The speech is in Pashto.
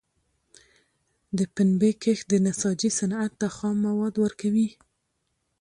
د پنبي کښت د نساجۍ صنعت ته خام مواد ورکوي.